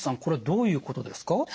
これどういうことですか？